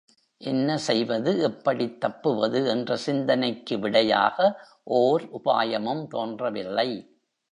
என்ன செய்வது எப்படித் தப்புவது என்ற சிந்தனைக்கு விடையாக ஓர் உபாயமும் தோன்றவில்லை.